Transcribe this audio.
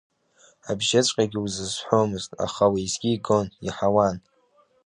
Абжьыҵәҟьагьы узазҳәомызт, аха уеизгьы игон, иаҳауан.